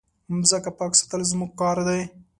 مځکه پاک ساتل زموږ کار دی.